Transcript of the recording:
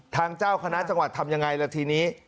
เจ้าคณะจังหวัดทำยังไงล่ะทีนี้